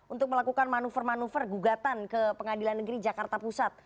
untuk melakukan manuver manuver gugatan ke pengadilan negeri jakarta pusat